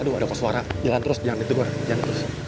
aduh ada pak koswara jalan terus jangan di tenggorak